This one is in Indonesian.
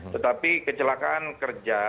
tetapi kecelakaan kerja